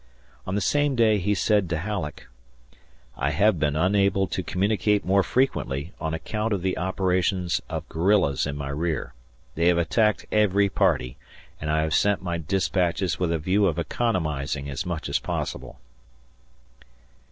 On the same day he said to Halleck: I have been unable to communicate more frequently on account of the operations of guerillas in my rear. They have attacked every party, and I have sent my dispatches with a view of economizing as much as possible.